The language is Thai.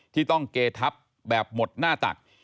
ที่ต้องเกทับแบบหมดหน้าตัก